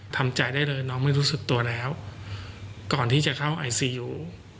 ทำใจได้เลยน้องไม่รู้สึกตัวแล้วก่อนที่จะเข้าไอซียู